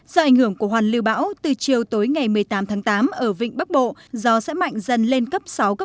do ảnh hưởng của hoàn lưu bão từ chiều tối ngày một mươi tám tháng tám ở vịnh bắc bộ gió sẽ mạnh dần lên cấp sáu cấp bảy